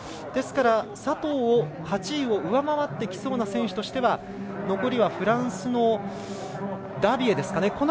ですから、佐藤、８位を上回ってきそうな選手は残りはフランスのダビエですかね。